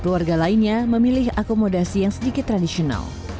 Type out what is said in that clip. keluarga lainnya memilih akomodasi yang sedikit tradisional